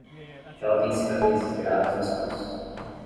Ela tem cicatrizes graves nas costas